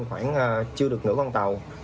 khoảng chưa được nửa con tàu